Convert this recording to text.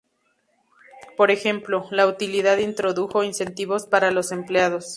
Por ejemplo, la utilidad introdujo incentivos para los empleados.